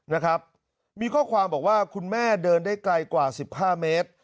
นะครับมีข้อความบอกว่าคุณแม่เดินได้ไกลกว่าสิบห้าเมตร